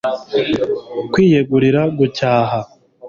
Kwiyegurira gucyaha